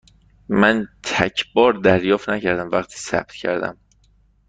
من تگ بار دریافت نکردم وقتی ثبت کردم.